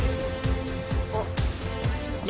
あっ。